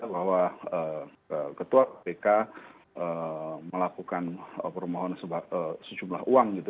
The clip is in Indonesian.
bahwa ketua kpk melakukan permohonan sejumlah uang gitu